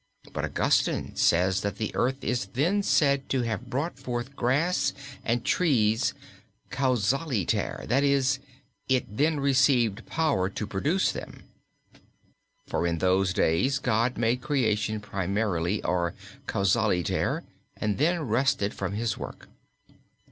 But Augustine says that the earth is then said to have brought forth grass and trees causaliter; that is, it then received power to produce them." (Quoting Genesis ii:4): "For in those first days, ... God made creation primarily or causaliter, and then rested from His work."